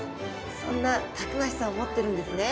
そんなたくましさを持ってるんですね。